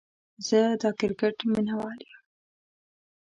زه دا کرکټ ميناوال يم